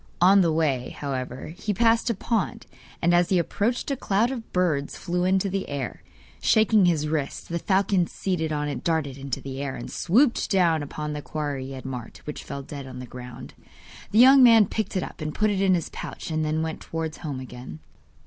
On the way, however, he passed a pond, and as he approached a cloud of birds flew into the air. Shaking his wrist, the falcon seated on it darted into the air, and swooped down upon the quarry he had marked, which fell dead to the ground. The young man picked it up, and put it in his pouch and then went towards home again.